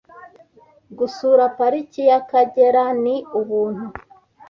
gusura Pariki y’Akagera ni ubuntu.”